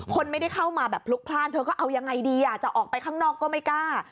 คนไม่ได้เข้ามาแบบพลุกพลาดเธอก็เอายังไงดีจะออกไปข้างนอกก็ไม่กล้า